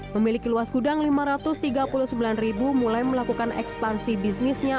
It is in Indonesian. memiliki luas gudang lima ratus tiga puluh sembilan ribu mulai melakukan ekspansi bisnisnya